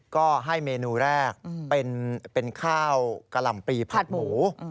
ก็ให้เมนูแรกเป็นข้าวกะหล่ำปลีผัดหมู